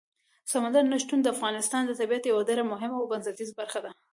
سمندر نه شتون د افغانستان د طبیعت یوه ډېره مهمه او بنسټیزه برخه ده.